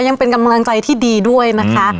ยังเป็นกำลังใจที่ดีด้วยนะคะ